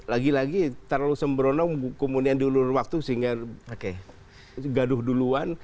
lagi lagi terlalu sembrono kemudian diulur waktu sehingga gaduh duluan